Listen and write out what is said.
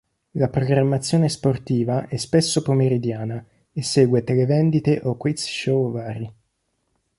La programmazione sportiva è spesso pomeridiana e segue televendite o quiz show vari.